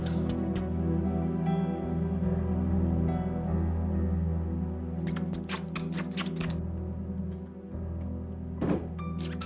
kamu bikin cantik